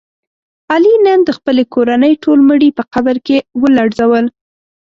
علي نن د خپلې کورنۍ ټول مړي په قبر کې ولړزول.